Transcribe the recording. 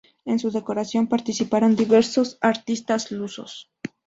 En su decoración participaron diversos artistas lusos.